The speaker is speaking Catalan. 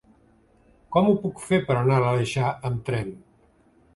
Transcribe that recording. Com ho puc fer per anar a l'Aleixar amb tren?